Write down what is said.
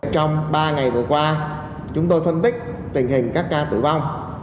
trong ba ngày vừa qua chúng tôi phân tích tình hình các ca tử vong